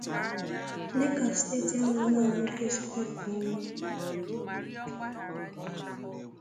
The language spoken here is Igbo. dịka steeti ahụ na-amụkezịkwa ka ọnwa.